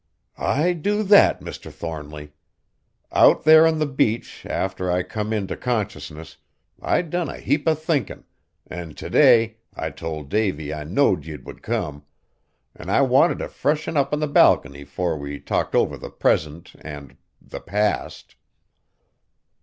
"I do that, Mr. Thornly. Out there on the beach arter I come in t' consciousness, I done a heap o' thinkin', an' t' day I told Davy I knowed ye would come, an' I wanted t' freshen up on the balcony 'fore we talked over the present and the past!"